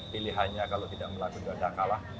pilihannya kalau tidak melakukan gagal kalah